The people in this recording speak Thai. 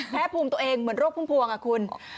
แพ้ภูมิตัวเองเหมือนโรคพุ่มพวงอ่ะคุณ